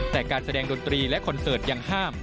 แต่การแสดงดนตรีและคอนเสิร์ตยังห้าม